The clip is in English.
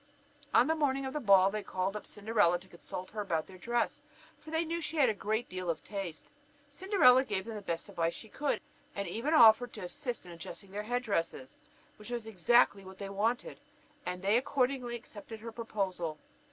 On the morning of the ball, they called up Cinderella to consult with her about their dress, for they knew she had a great deal of taste. Cinderella gave them the best advice she could, and even offered to assist in adjusting their head dresses; which was exactly what they wanted, and they accordingly accepted her proposal.